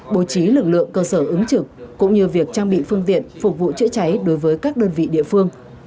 bố trí lực lượng cơ sở ứng trực cũng như việc trang bị phương tiện phục vụ chữa cháy đối với các đơn vị địa phương